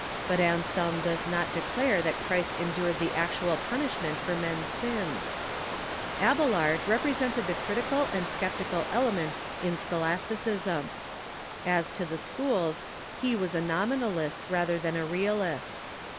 But Anselm does not declare that Christ endured the actual punishment for men's THE SCHOLASTIC PHILOSOPHY 179 sins. Abelard represented the critical and sceptical element in scholasticism. As to the schools, he Avas a Nominalist, rather than a Realist.